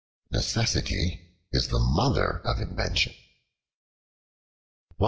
Necessity is the mother of invention.